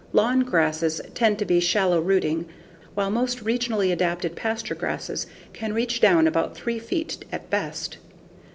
Lawn grasses tend to be shallow rooting, while most regionally adapted pasture grasses can reach down about 3 feet at best.